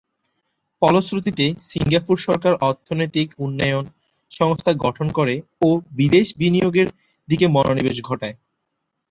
ফলশ্রুতিতে সিঙ্গাপুর সরকার অর্থনৈতিক উন্নয়ন সংস্থা গঠন করে ও বিদেশ বিনিয়োগের দিকে মনোনিবেশ ঘটায়।